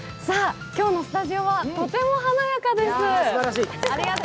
今日のスタジオはとても華やかです。